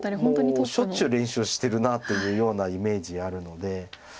もうしょっちゅう連勝してるなというようなイメージあるので。